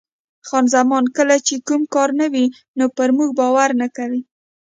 خان زمان: کله چې کوم کار نه وي نو پر موږ باور نه کوي.